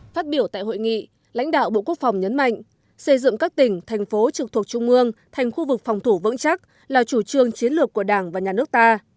phát biểu tại hội nghị lãnh đạo bộ quốc phòng nhấn mạnh xây dựng các tỉnh thành phố trực thuộc trung ương thành khu vực phòng thủ vững chắc là chủ trương chiến lược của đảng và nhà nước ta